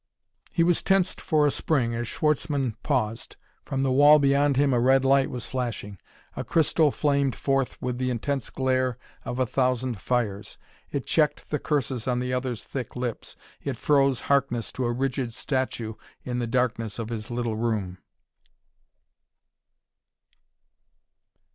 He was tensed for a spring as Schwartzmann paused. From the wall beyond him a red light was flashing; a crystal flamed forth with the intense glare of a thousand fires. It checked the curses on the other's thick lips; it froze Harkness to a rigid statue in the darkness of his little room.